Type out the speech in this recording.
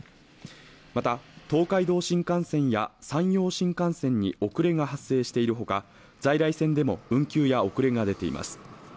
また、東海道新幹線や山陽新幹線に遅れが発生しているほか、在来線でも運休や遅れが出ています。